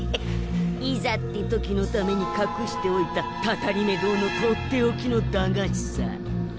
いざって時のためにかくしておいたたたりめ堂のとっておきの駄菓子さ。